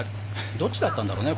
どっちだったんだろうね？